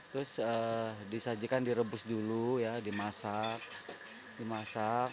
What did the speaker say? terus disajikan direbus dulu ya dimasak dimasak